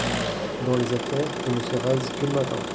Dans les affaires, on ne se rase que le matin !